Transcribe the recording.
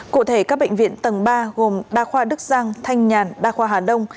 cụ thể các bệnh viện tầng ba gồm đa khoa đức giang thanh nhàn đa khoa hà đông